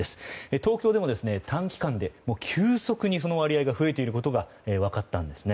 東京でも短期間で急速にその割合が増えていることが分かったんですね。